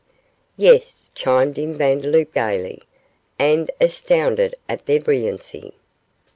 'Yes,' chimed in Vandeloup, gaily, 'and astounded at their brilliancy.